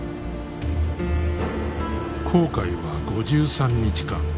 航海は５３日間。